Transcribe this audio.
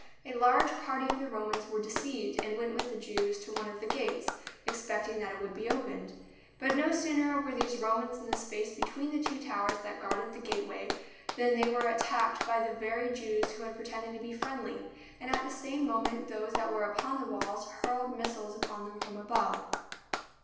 A large party of the Romans were deceived and went with the Jews to one of the gates, expecting that it would be opened. But no sooner were these Romans in the space be tween the two towers that guarded the gateway, than they were attacked by the very Jews who had pretended to be friendly, and at the same moment those that were upon the walls hurled missiles upon them from above.